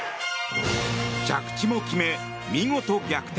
着地も決め、見事逆転。